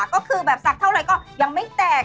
ก็คือแบบสักเท่าไหร่ก็ยังไม่แตก